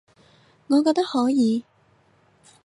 我覺得可以